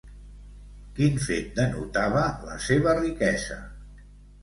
Quin fet denotava la seva riquesa?